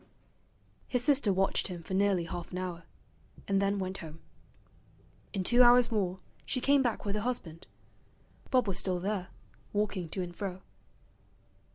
His sister watched him for nearly half an hour, and then went home. In two hours more she came back with her husband. Bob was still there, walking to and fro.